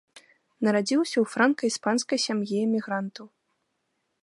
Нарадзіўся ў франка-іспанскай сям'і эмігрантаў.